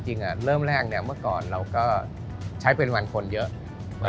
จริงเริ่มแรกเมื่อก่อนเราก็ใช้ปริมาณคนเยอะ